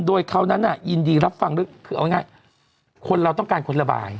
โดยเขานั้นยินดีรับฟังคือเอาง่ายคนเราต้องการคนระบาย